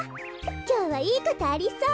きょうはいいことありそう。